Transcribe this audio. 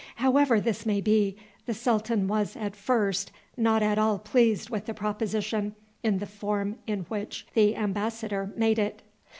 However this may be, the sultan was at first not at all pleased with the proposition in the form in which the embassador made it.